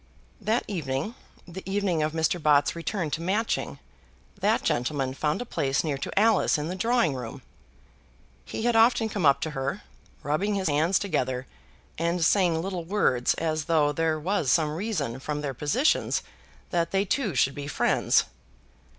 That evening, the evening of Mr. Bott's return to Matching, that gentleman found a place near to Alice in the drawing room. He had often come up to her, rubbing his hands together, and saying little words, as though there was some reason from their positions that they two should be friends.